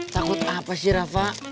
takut apa sih rafa